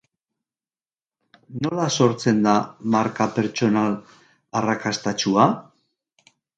Nola sortzen da marka pertsonal arrakastatsua?